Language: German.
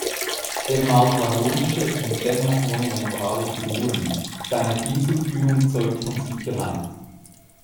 Er malt harmonische und dennoch monumentale Figuren, seine Pinselführung zeugt von Sicherheit.